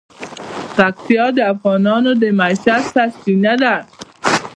پکتیا د افغانانو د معیشت سرچینه ده.